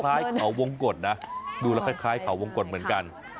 คล้ายเขาวงกฎนะดูแล้วคล้ายเขาวงกฎเหมือนกัน